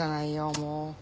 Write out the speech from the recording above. もう。